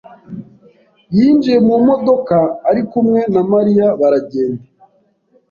yinjiye mu modoka ari kumwe na Mariya baragenda.